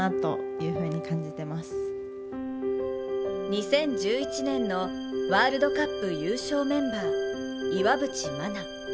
２０１１年のワールドカップ優勝メンバー、岩渕真奈。